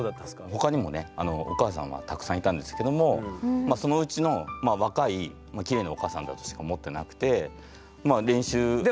他にもねお母さんはたくさんいたんですけどもそのうちの若いキレイなお母さんだとしか思ってなくて練習。